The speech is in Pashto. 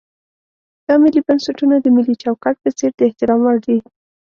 دا ملي بنسټونه د ملي چوکاټ په څېر د احترام وړ دي.